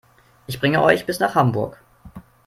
Ich bringe euch bis nach Hamburg